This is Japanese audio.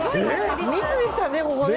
密でしたね、ここね。